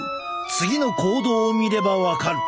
次の行動を見れば分かる。